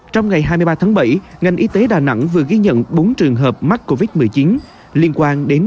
trong ngày hai mươi ba tháng bảy ngành y tế đà nẵng vừa ghi nhận bốn trường hợp mắc covid một mươi chín liên quan đến